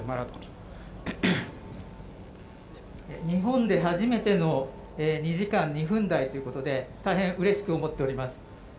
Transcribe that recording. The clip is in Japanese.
日本で初めての２時間２分台ということで大変うれしく思っています。